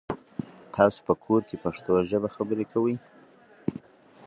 تاسو په کور کې پښتو ژبه خبري کوی؟